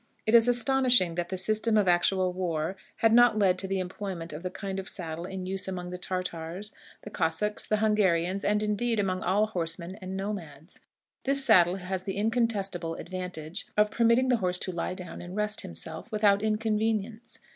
It is astonishing that the system of actual war had not led to the employment of the kind of saddle in use among the Tartars, the Cossacks, the Hungarians, and, indeed, among all horsemen and nomads. This saddle has the incontestable advantage of permitting the horse to lie down and rest himself without inconvenience.